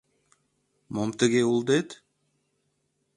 — Мом тыге улдет?